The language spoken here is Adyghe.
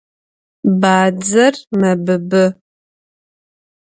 Badzer mebıbı.